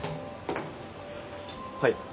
はい。